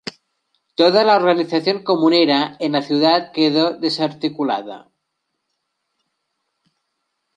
Toda la organización comunera en la ciudad quedó desarticulada.